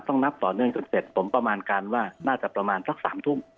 นับต่อเนื่องจนเสร็จผมประมาณการว่าน่าจะประมาณสัก๓ทุ่ม